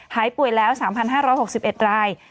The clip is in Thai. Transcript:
หายป่วยแล้ว๓๕๖๑ราย